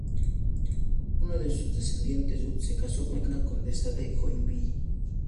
Uno de sus descendientes, Guy Renaud, se casó con una condesa de Joinville.